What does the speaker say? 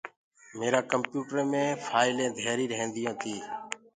ميرآ ڪمپيوٽرو مي ڦآئلين ڌيري ريهنديو تي۔